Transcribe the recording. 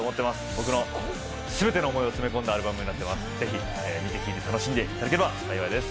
僕の全ての思いを詰め込んだアルバムなので、ぜひ聞いて楽しんでいただければと思います。